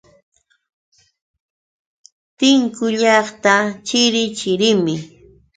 Tinku llaqta chiri chirimi.